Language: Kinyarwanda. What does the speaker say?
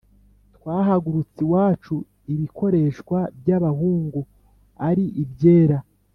Twahagurutse iwacu ibikoreshwa by’abahungu ari ibyera